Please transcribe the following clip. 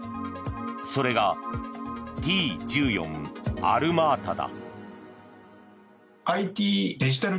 それがＴ１４アルマータだ。